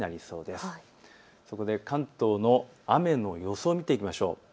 そこで関東の雨の予想を見ていきましょう。